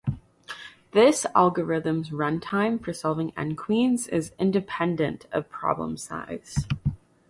This algorithm's run time for solving N-Queens is independent of problem size.